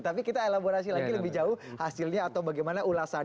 tapi kita elaborasi lagi lebih jauh hasilnya atau bagaimana ulasannya